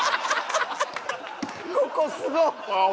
ここすごっ！